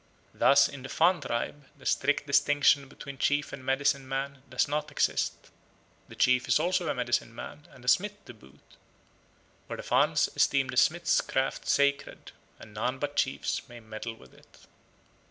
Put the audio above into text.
Thus in the Fan tribe the strict distinction between chief and medicine man does not exist. The chief is also a medicine man and a smith to boot; for the Fans esteem the smith's craft sacred, and none but chiefs may meddle with it.